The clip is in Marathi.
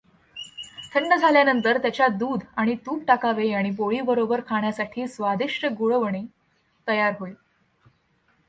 थंडझाल्यानंतर त्याच्यात दुध आणि तूप टाकावे आणि पोळीबरोबर खाण्यासाठी स्वादिष्ट गुळवणी तयार होईल.